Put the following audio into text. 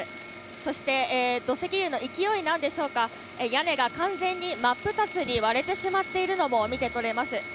そして、土石流の勢いなんでしょうか、屋根が完全に真っ二つに割れてしまっているのも見て取れます。